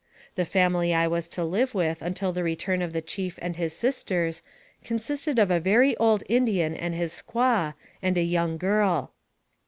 The family I was to live with until the return of the chief and his sisters, consisted of a very old Indian and his squaw, and a young girl.